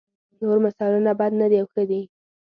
نور مثالونه بد نه دي او ښه دي.